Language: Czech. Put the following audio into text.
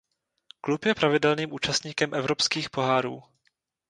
Klub je pravidelným účastníkem evropských pohárů.